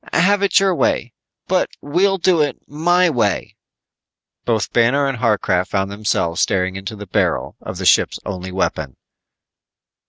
Have it your way, but we'll do it my way." Both Banner and Harcraft found themselves staring into the barrel of the ship's only weapon.